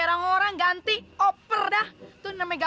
tangga di massachusetts